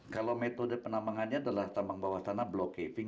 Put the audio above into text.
kalau metode penambangannya adalah tambang bawah tanah block caving